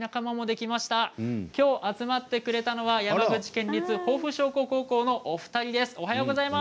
きょう集まってくれたのは山口県立防府商工高校のお二人です。